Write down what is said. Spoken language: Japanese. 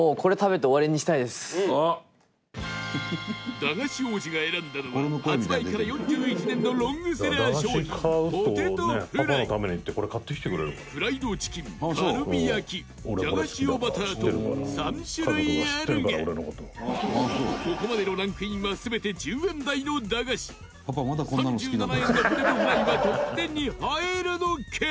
駄菓子王子が選んだのは発売から４１年のロングセラー商品ポテトフライフライドチキン、カルビ焼じゃが塩バターと３種類あるがここまでのランクインは全て１０円台の駄菓子３７円のポテトフライはトップ１０に入るのか？